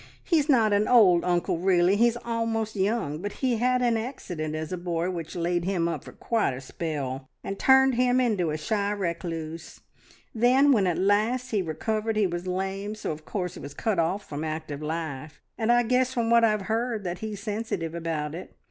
He's not an old uncle really: he's almost young, but he had an accident as a boy which laid him up for quite a spell, and turned him into a shy recluse. Then when at last he recovered, he was lame, so of course he was cut off from active life, and I guess from what I've heard that he's sensitive about it.